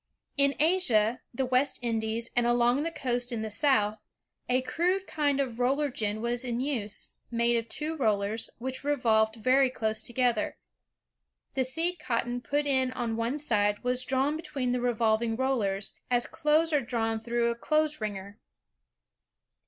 In Asia, the West Indies, and along the coast in the South, a crude kind of roller gin was in use, made of two rollers, which revolved very close together. The seed cotton put in on one side was drawn between the re volving rollers, as clothes are drawn through a clothes wringer.